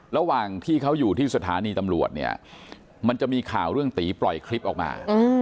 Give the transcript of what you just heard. ระหว่างที่เขาอยู่ที่สถานีตำรวจเนี่ยมันจะมีข่าวเรื่องตีปล่อยคลิปออกมา